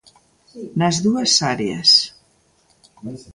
Nas dúas áreas.